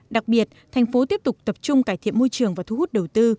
đặc biệt thành phố tiếp tục tập trung cải thiện môi trường và thu hút đầu tư